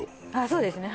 そうですね